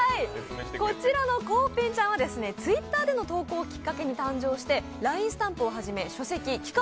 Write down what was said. こちらのコウペンちゃんはＴｗｉｔｔｅｒでの投稿をきっかけに誕生して、ＬＩＮＥスタンプをはじめ書籍期間